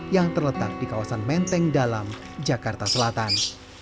yang terletak di kawasan menteng dalam jakarta selatan